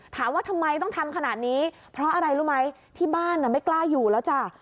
ถามว่าทำไมต้องทำขนาดนี้เพราะอะไรรู้ไหมที่บ้านไม่กล้าอยู่แล้วจ้ะ